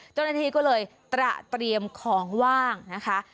เจ้าหน้าที่ก็เลยตระเตรียมของว่างนะคะ